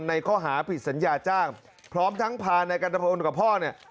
ในข้อหาผิดสัญญาจ้างพร้อมทั้งพานายกัณฑพลกับพ่อเนี่ย